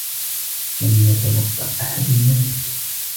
لم يتوقع أحد ذلك.